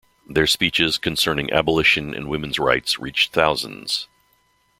Their speeches concerning abolition and women's rights reached thousands.